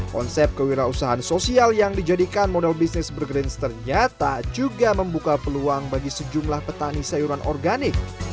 konsep kewirausahaan sosial yang dijadikan model bisnis burgrins ternyata juga membuka peluang bagi sejumlah petani sayuran organik